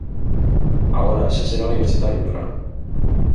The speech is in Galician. Agora xa será universitario, claro.